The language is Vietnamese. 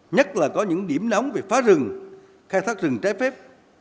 nhất là có những điểm nóng về phá rừng khai thác rừng trái phép